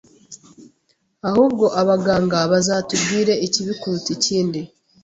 Ahubwo abaganga bazatubwire ikibi kuruta ikindi